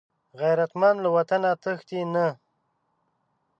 غیرتمند له وطنه تښتي نه